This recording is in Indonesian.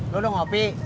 lo udah ngopi